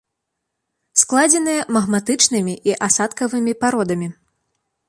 Складзеныя магматычнымі і асадкавымі пародамі.